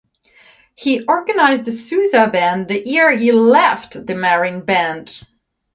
He organized The Sousa Band the year he left the Marine Band.